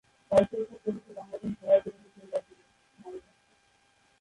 তার শৈশব কেটেছে বাংলাদেশ, ভারত এবং সিঙ্গাপুরে।